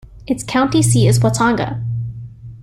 Its county seat is Watonga.